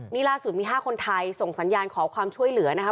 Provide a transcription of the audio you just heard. นี่ล่าสุดมี๕คนไทยส่งสัญญาณขอความช่วยเหลือนะคะ